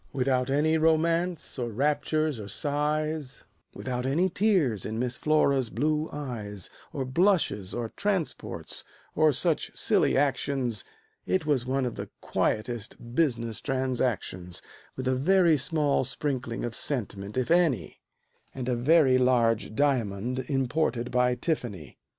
Without any romance, or raptures, or sighs, Without any tears in Miss Flora's blue eyes, Or blushes, or transports, or such silly actions, It was one of the quietest business transactions, With a very small sprinkling of sentiment, if any, And a very large diamond imported by Tiffany.